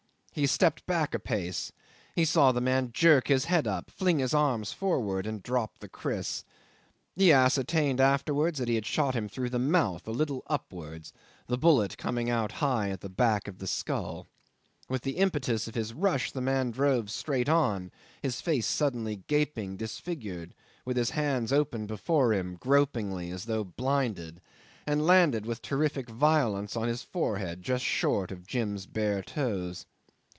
He stepped back a pace. He saw the man jerk his head up, fling his arms forward, and drop the kriss. He ascertained afterwards that he had shot him through the mouth, a little upwards, the bullet coming out high at the back of the skull. With the impetus of his rush the man drove straight on, his face suddenly gaping disfigured, with his hands open before him gropingly, as though blinded, and landed with terrific violence on his forehead, just short of Jim's bare toes.